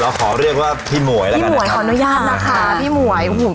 เราขอเรียกว่าพี่หมวยละกันนะครับพี่หมวยขออนุญาตนะคะพี่หมวย